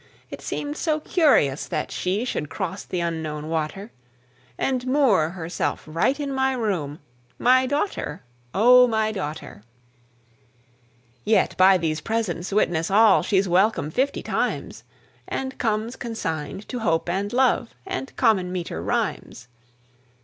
It seemed so curious that she Should cross the Unknown water, And moor herself right in my room, My daughter, O my daughter! Yet by these presents witness all She's welcome fifty times, And comes consigned to Hope and Love And common meter rhymes.